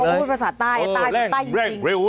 พูดภาษาใต้ใต้อยู่ใต้อยู่